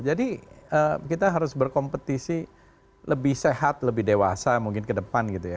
jadi kita harus berkompetisi lebih sehat lebih dewasa mungkin kedepan gitu ya